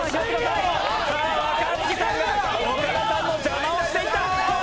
さあ、若槻さんが岡田さんの邪魔をした！